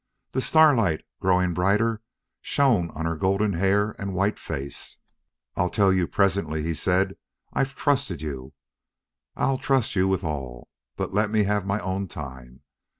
The starlight, growing brighter, shone on her golden hair and white face. "I'll tell you presently," he said. "I've trusted you. I'll trust you with all.... But let me have my own time.